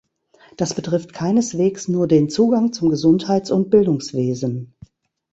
Das betrifft keineswegs nur den Zugang zum Gesundheits- und Bildungswesen.